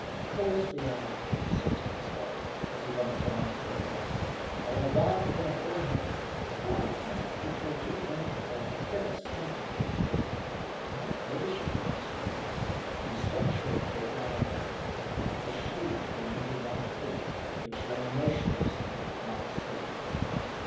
"Course we are," he said to himself, as he went down the hill again. "But I warn't going to blab. What a fuss people do make about a bit o' smuggling! How pretty she looks!" and he stopped short to admire her the she being the White Hawk, which lay motionless on the calm sea.